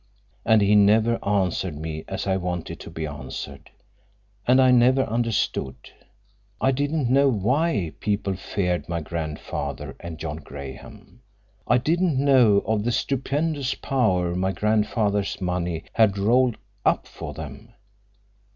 And he never answered me as I wanted to be answered, and I never understood. I didn't know why people feared my grandfather and John Graham. I didn't know of the stupendous power my grandfather's money had rolled up for them.